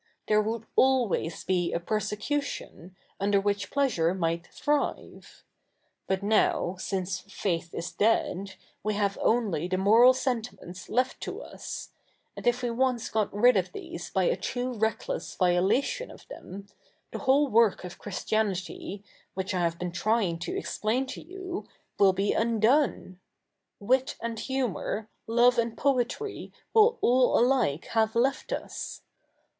There would always be a persecution, tender which pleasuj e might thrive. But now, since faith is dead, we have ojily the moral sefitiments left to us ; and if we o?ice got rid of these by a too reckless violatio?i of the77i, tlie whole work of Christianity, which I have bee7i trying to explain to you, ivill be U7id07ie. Wit a7id humour, love a7id poetry, will all alike have left us.